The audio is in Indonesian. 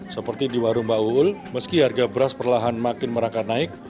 seperti di warung baul meski harga beras perlahan makin merangka naik